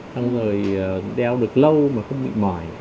xong rồi đeo được lâu mà không bị mỏi